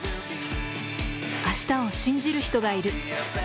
明日を信じる人がいる。